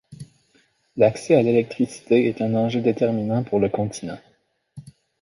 L'accès à l'électricité est un enjeu déterminant pour le continent.